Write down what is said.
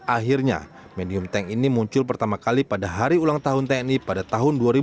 akhirnya medium tank ini muncul pertama kali pada hari ulang tahun tni pada tahun dua ribu dua